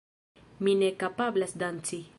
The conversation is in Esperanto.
Mi ne kapablas danci.